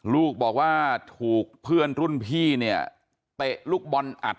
ลูกบอกว่าถูกเพื่อนรุ่นพี่เนี่ยเตะลูกบอลอัด